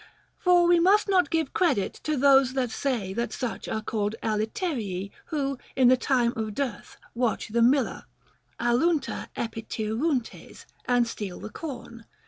For we must not give credit to those that say that such are called aliterii who, in the time of dearth, watch the miller (άλοϋντα Ιπηηροϋντες) and steal the corn.